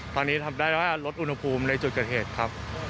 ตอนนี้ทำได้ว่าลดอุณหภูมิในจุดเกิดเหตุครับ